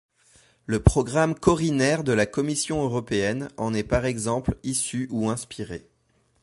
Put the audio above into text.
Le programme Corinair de la Commission européenne en est par exemple issu ou inspiré.